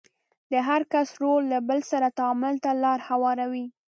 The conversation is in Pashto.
د هر کس رول له بل سره تعامل ته لار هواروي.